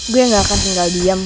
gue nggak akan tinggal diam